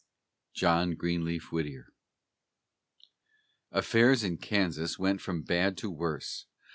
JOHN GREENLEAF WHITTIER. Affairs in Kansas went from bad to worse.